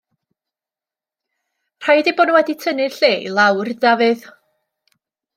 Rhaid eu bod nhw wedi tynnu'r lle i lawr, Dafydd!